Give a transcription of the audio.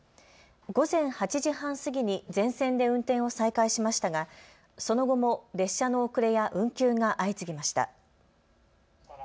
午前８時半過ぎに全線で運転を再開しましたがその後も列車の遅れや運休が相次ぎました。